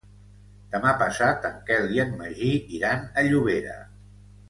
Demà passat en Quel i en Magí iran a Llobera.